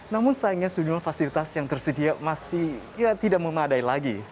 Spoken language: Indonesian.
namun sayangnya sejumlah fasilitas yang tersedia masih tidak memadai lagi